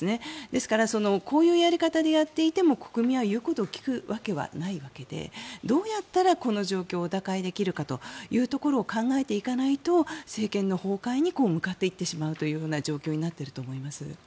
ですからこういうやり方でやっていても国民は言うことを聞くわけはないわけでどうやったら、この状況を打開できるかというところを考えていかないと政権の崩壊に向かっていってしまうという状況になっていると思います。